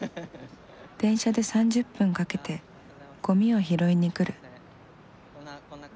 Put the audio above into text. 電車で３０分かけてゴミを拾いに来る。